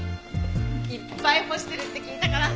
いっぱい干してるって聞いたから。